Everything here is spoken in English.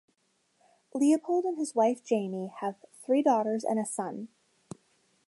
Leopold and his wife Jamie have three daughters and a son.